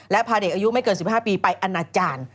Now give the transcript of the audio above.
และพาเด็กอายุไม่เกิน๑๕ปีไปอนาจารย์